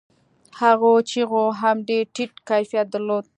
هغو چيغو هم ډېر ټيټ کيفيت درلود.